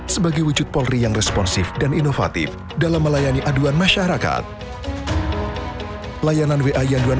sebagai wujud polri yang responsif dan inovatif dalam melayani aduan masyarakat layanan wa yanduan